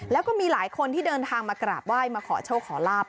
แล้วก็มีหลายคนที่เดินทางมากราบไหว้มาขอโชคขอลาบ